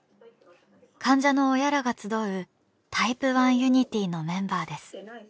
患者の親らが集うＴｙｐｅ１Ｕｎｉｔｙのメンバーです。